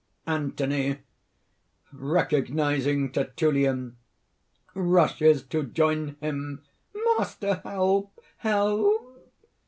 ANTHONY (recognizing Tertullian, rushes to join him): "Master! help! help!"